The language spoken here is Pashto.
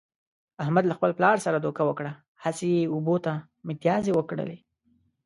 احمد له خپل پلار سره دوکه وکړه، هسې یې اوبو ته متیازې و کړلې.